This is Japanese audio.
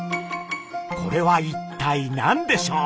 これは一体何でしょう？